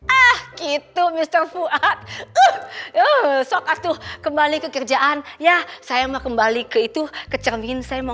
ah gitu mister fuad sokat tuh kembali ke kerjaan ya saya mah kembali ke itu ke cermin saya mau